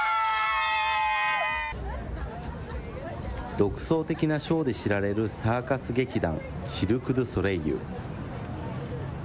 独創的なショーで知られるサーカス劇団、シルク・ドゥ・ソレイユ。